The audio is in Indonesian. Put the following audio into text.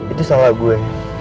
itu salah gue